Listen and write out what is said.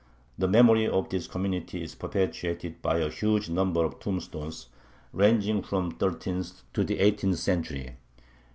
The memory of this community is perpetuated by a huge number of tombstones, ranging from the thirteenth to the eighteenth century.